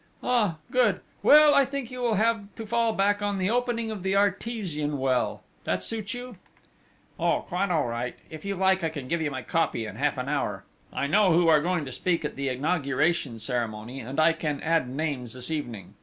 "Ah! good! Well, I think you will have to fall back on the opening of the artesian well. That suit you?" "Oh, quite all right!... If you like I can give you my copy in half an hour. I know who are going to speak at the inauguration ceremony, and I can add names this evening!